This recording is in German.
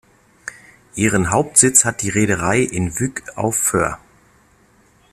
Ihren Hauptsitz hat die Reederei in Wyk auf Föhr.